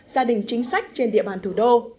gia đình chính sách trên địa bàn thủ đô